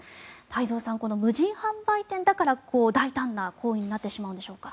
太蔵さん、この無人販売店だから大胆な行為になってしまうんでしょうか？